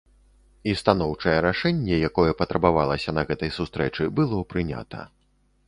І станоўчае рашэнне, якое патрабавалася, на гэтай сустрэчы было прынята.